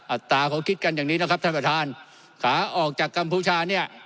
อัตราเขาคิดกันอย่างนี้นะครับท่านประธานขาออกจากกัมพูชาเนี่ย